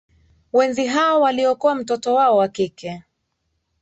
wenzi hao waliokoa mtoto wao wa kike